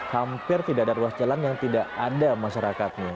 hampir tidak ada ruas jalan yang tidak ada masyarakatnya